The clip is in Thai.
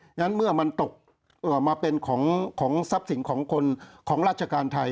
งั้นเมื่อมันตกมาเป็นของทรัพย์สินของคนของราชการไทย